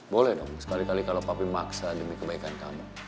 boleh dong sekali kali kalau kami memaksa demi kebaikan kamu